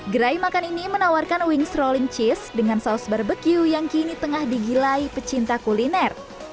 gerai makan ini menawarkan wing strolling cheese dengan saus barbecue yang kini tengah digilai pecinta kuliner